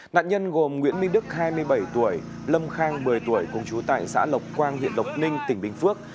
nạn nhân gồm nguyễn minh đức hai mươi bảy tuổi lâm khang một mươi tuổi cùng chú tại xã lộc quang huyện lộc ninh tỉnh bình phước